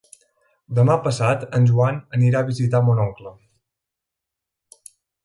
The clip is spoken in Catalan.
Demà passat en Joan anirà a visitar mon oncle.